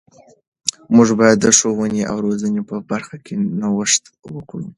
موږ باید د ښوونې او روزنې په برخه کې نوښت وکړو.